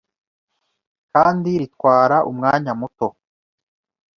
kandi ritwara umwanya muto